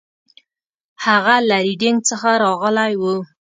هغه له ریډینګ څخه راغلی و.